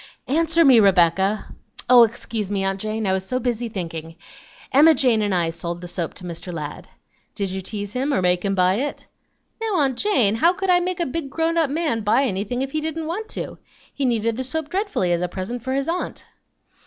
"Answer me, Rebecca." "Oh! excuse me, aunt Jane, I was so busy thinking. Emma Jane and I sold the soap to Mr. Ladd." "Did you tease him, or make him buy it?" "Now, aunt Jane, how could I make a big grown up man buy anything if he didn't want to? He needed the soap dreadfully as a present for his aunt."